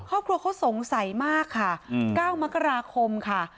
ครอบครัวเขาสงสัยมากค่ะ๙มกราคมค่ะ